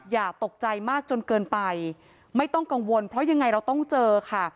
อย่าตกใจมากจนเกินไปไม่ต้องกังวลเพราะยังไงเราต้องเจอค่ะ